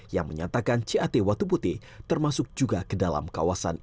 yang menyatakan cat watu putih termasuk juga ke dalam kawasan